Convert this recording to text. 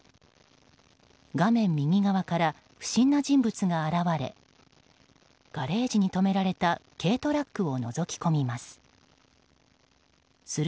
画面右側から不審な人物が現れガレージに止められた軽トラックをのぞき込みます。